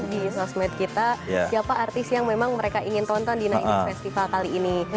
di sosmed kita siapa artis yang memang mereka ingin tonton di night festival kali ini